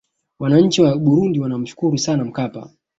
wananchi wa burundi wanamshukuru sana mkapa